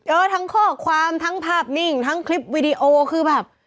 ทั้งข้อความทั้งภาพนิ่งทั้งคลิปวิดีโอคือแบบ